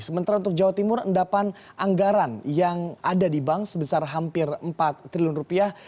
sementara untuk jawa timur endapan anggaran yang ada di bank sebesar hampir empat triliun rupiah